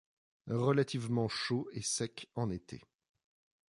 Relativement chaud et sec en été.